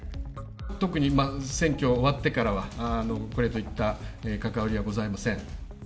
特に選挙終わってからは、これといった関わりはございません。